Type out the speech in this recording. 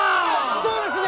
そうですね！